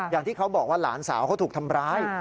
อย่างที่เขาบอกว่าหลานสาวเขาถูกทำร้าย